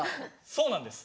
そうなんです。